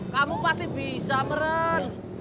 kamu pasti bisa meren